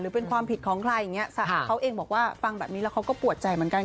เป็นความผิดของใครอย่างนี้เขาเองบอกว่าฟังแบบนี้แล้วเขาก็ปวดใจเหมือนกัน